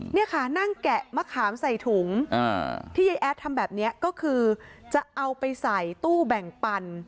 นี่ค่ะนั่งแกะมะขามใส่ถุงที่ยายแอดทำแบบนี้ก็คือจะเอาไปใส่ตู้แบ่งปัน